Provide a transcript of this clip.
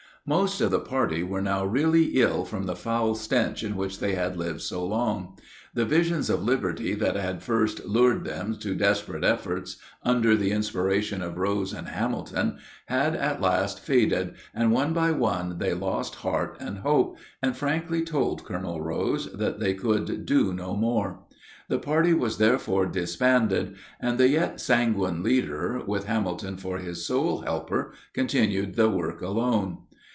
Most of the party were now really ill from the foul stench in which they had lived so long. The visions of liberty that had first lured them to desperate efforts under the inspiration of Rose and Hamilton had at last faded, and one by one they lost heart and hope, and frankly told Colonel Rose that they could do no more. The party was therefore disbanded, and the yet sanguine leader, with Hamilton for his sole helper, continued the work alone.